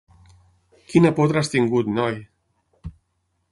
Quina potra has tingut, noi!